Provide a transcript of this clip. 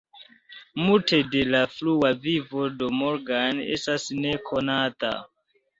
Multe de la frua vivo de Morgan estas nekonata.